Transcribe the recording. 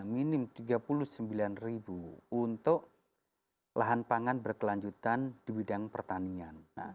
minim rp tiga puluh sembilan untuk lahan pangan berkelanjutan di bidang pertanian